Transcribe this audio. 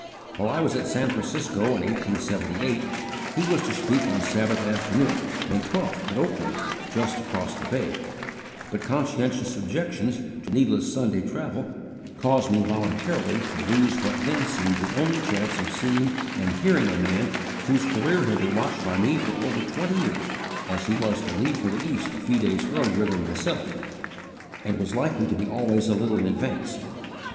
While I was at San Francisco, in 1878, he was to speak on Sabbath afternoon, May 12th, at Oakland, just across the bay, but conscientious objections to needless Sunday travel caused me voluntarily to lose what then seemed the only chance of seeing and hearing a man whose career had been watched by me for over twenty years, as he was to leave for the East a few days earlier than myself and was likely to be always a little in advance.